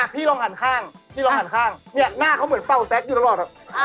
พี่ลองหันข้างเนี่ยหน้าเขาเหมือนเป้าแซกอยู่ตลอด